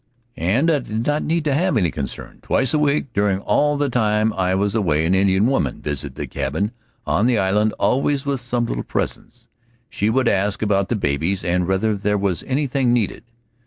And I did not need to have any concern. Twice a week during all the time I was away an Indian woman visited the cabin on the island, always with some little presents. She would ask about the babies and whether there was anything needed.